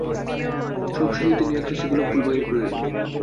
সব শেষে তিনি একরাশি গোলাপফুল বাহির করিলেন।